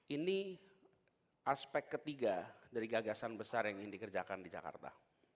ini aspek ketiga dari gagasan besar yang ingin dikerjakan di jakarta